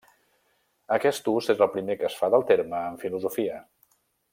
Aquest ús és el primer que es fa del terme en filosofia.